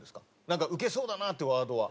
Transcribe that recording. なんかウケそうだなっていうワードは。